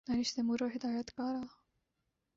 دانش تیمور اور ہدایت کارہ